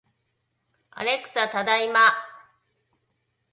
アレクサ、ただいま